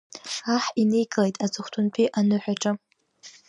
Аҳ иникылеит аҵыхәтәантәи аныҳәаҿа.